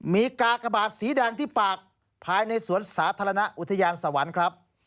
มีกากบาทสีแดงที่ปากภายในสวนสาธารณะอุทยานสวรรค์ครับ